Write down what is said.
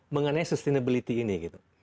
mengenai sustainability ini